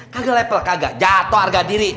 kagak level kagak jatuh harga diri